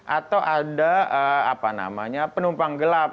atau ada apa namanya penumpang gelap